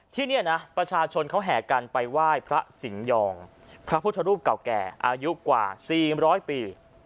ที่นี่นะประชาชนเขาแห่กันไปไหว้พระสิงหยองพระพุทธรูปเก่าแก่อายุกว่า๔๐๐ปี